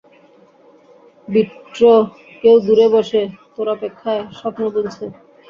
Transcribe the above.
বিট্টো, কেউ দূরে বসে, তোর অপেক্ষায়, স্বপ্ন বুনছে।